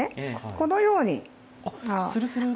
このように。